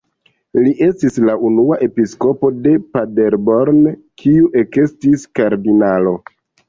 Li estis la unua episkopo de Paderborn kiu ekestis kardinalo.